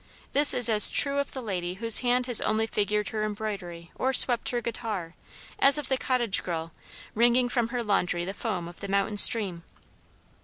This is as true of the lady whose hand has only figured her embroidery or swept her guitar, as of the cottage girl, wringing from her laundry the foam of the mountain stream.